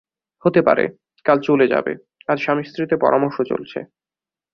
হতে পারে, কাল চলে যাবে, আজ স্বামীস্ত্রীতে পরামর্শ চলছে।